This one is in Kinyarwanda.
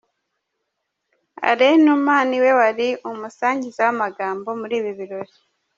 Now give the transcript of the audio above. Allain Numa niwe wari umusangiza w'amagambo muri ibi birori.